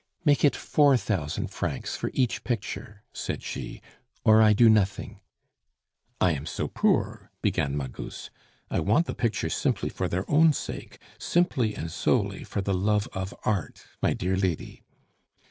"Make it four thousand francs for each picture," said she, "or I do nothing." "I am so poor!..." began Magus. "I want the pictures simply for their own sake, simply and solely for the love of art, my dear lady."